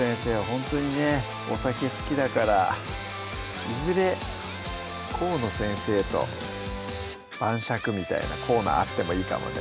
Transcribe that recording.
ほんとにねお酒好きだからいずれ河野先生と晩酌みたいなコーナーあってもいいかもね